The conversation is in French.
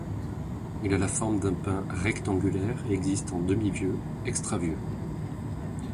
Il a la forme d’un pain rectangulaire et existe en demi-vieux, extra-vieux.